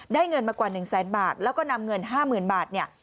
เงินมากว่า๑แสนบาทแล้วก็นำเงิน๕๐๐๐บาทเนี่ย